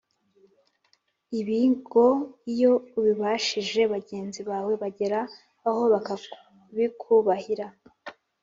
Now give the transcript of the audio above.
ibi ngo iyo ubibashije, bagenzi bawe bagera aho bakabikubahira”